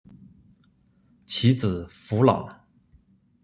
其子苻朗。